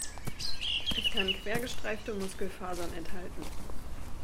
Es kann quergestreifte Muskelfasern enthalten.